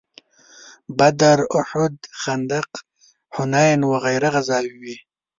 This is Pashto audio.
بدر، احد، خندق، حنین وغیره غزاوې وې.